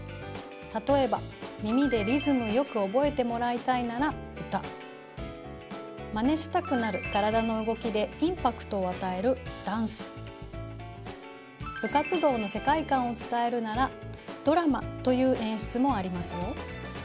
例えば耳でリズムよく覚えてもらいたいならマネしたくなる体の動きでインパクトをあたえる部活動の世界観を伝えるなら「ドラマ」という演出もありますよ。